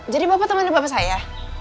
jadi bapak teman bapak saya